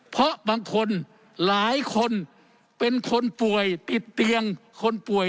เพราะบางคนหลายคนเป็นคนป่วยติดเตียงคนป่วย